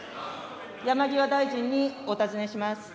山際大臣にお尋ねします。